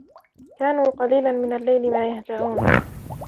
كانوا قليلا من الليل ما يهجعون